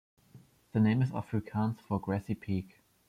The name is Afrikaans for "grassy peak".